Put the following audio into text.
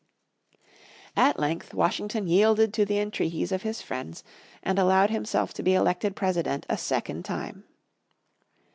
At length Washington yielded to the entreaties of his friends and allowed himself to be elected President a second time.